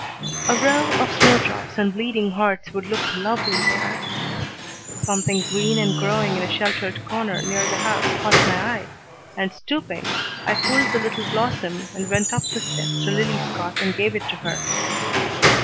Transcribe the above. "A row of snowdrops and bleeding hearts would look lovely there " Something green and growing in a sheltered corner near the house caught my eye, and stooping, I pulled the little blossom, and went up the steps to Lillie's cot and gave it to her.